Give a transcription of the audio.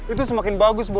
itu semakin bagus bon